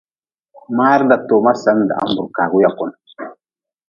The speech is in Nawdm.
Maar datoma sen dahm burkaagu yakun.